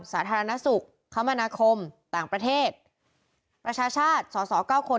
สาธารณสุขคมนาคมต่างประเทศประชาชาติสอสอเก้าคน